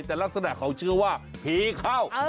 แต่ลักษณะเขาเชื่อว่าผีเข้า